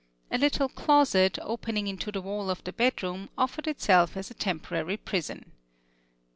A little closet, opening into the wall of the bedroom, offered itself as a temporary prison.